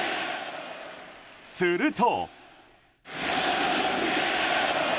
すると。